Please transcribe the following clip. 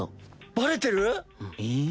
バレてる⁉えっ。